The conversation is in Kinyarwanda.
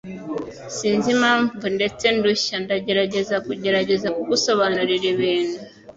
Sinzi impamvu ndetse ndushya ndagerageza kugerageza kugusobanurira ibintu.